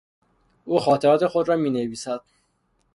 او خاطرات خود را مینویسد.